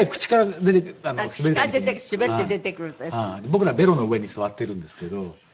僕らベロの上に座ってるんですけど。